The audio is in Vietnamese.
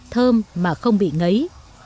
thơm mà không bị ngấy